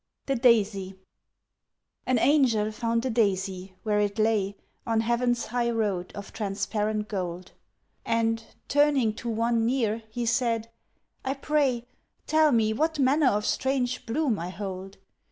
THE DAISY An angel found a daisy where it lay On Heaven's highroad of transparent gold, And, turning to one near, he said, "I pray, Tell me what manner of strange bloom I hold.